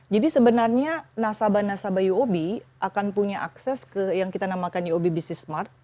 jadi sebenarnya nasabah nasabah uob akan punya akses ke yang kita namakan uob business smart